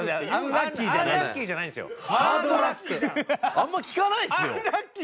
あんま聞かないですよ。